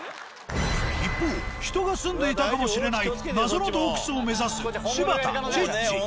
一方人が住んでいたかもしれない謎の洞窟を目指す柴田・チッチ。